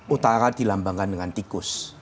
utara dilambangkan dengan tikus